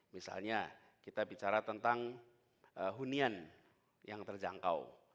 misalnya kita bicara tentang hunian yang terjangkau